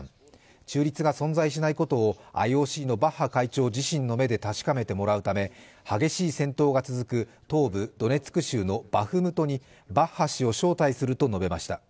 中立が存在しないことをＩＯＣのバッハ会長自身の目で確かめてもらうため、激しい戦闘が続く東部ドネツク州のバフムトにバッハ氏を招待すると述べました。